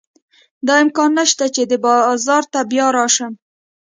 دا امکان نه شته چې دې بازار ته بیا راشم.